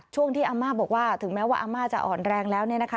ช่วงที่อาม่าบอกว่าถึงแม้ว่าอาม่าจะอ่อนแรงแล้วเนี่ยนะคะ